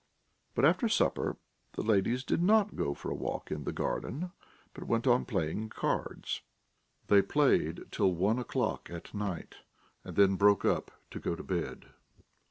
But after supper the ladies did not go for a walk in the garden, but went on playing cards. They played till one o'clock at night, and then broke up to go to bed.